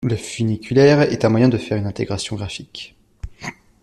Le funiculaire est un moyen de faire une intégration graphique.